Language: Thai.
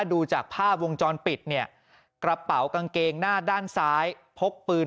ดูจากภาพวงจรปิดเนี่ยกระเป๋ากางเกงหน้าด้านซ้ายพกปืน